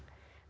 dia punya anak